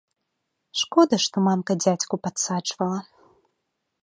Шкода, што мамка дзядзьку падсаджвала!